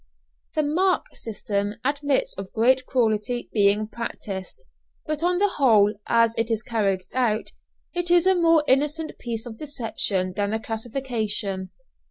The "mark" system admits of great cruelty being practised, but on the whole, as it is carried out, it is a more innocent piece of deception than the classification.